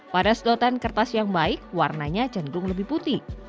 pada sedotan kertas yang baik warnanya cenderung lebih putih